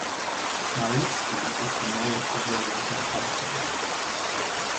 Mariinsky is the nearest rural locality.